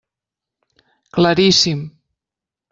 Claríssim.